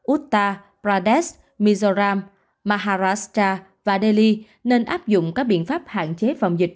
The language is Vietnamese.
uttar pradesh mizoram maharashtra và delhi nên áp dụng các biện pháp hạn chế phòng dịch